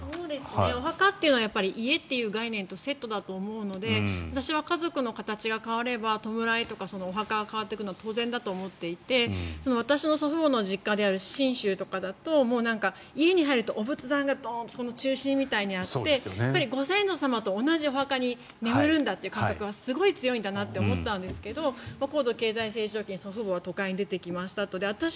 お墓っていうのは家という概念とセットだと思うので私は家族の形が変われば弔いとかお墓が変わってくるのは当然だと思っていて私の祖父母の実家がある信州とかだと家に入るとお仏壇が中心みたいにあってご先祖様と同じお墓に眠るんだという感覚はすごい強いんだなと思ったんですけど高度経済成長期に祖父母が都会に出てきましたと。